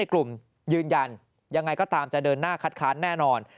กลุ่มยืนยันยังไงก็ตามจะเดินหน้าคัดค้านแน่นอน